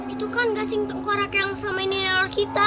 itu kan gasing tengkorak yang sama ini dengan kita